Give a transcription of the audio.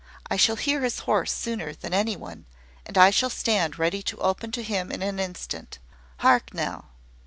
I shall hear his horse sooner than any one, and I shall stand ready to open to him in an instant. Hark now!"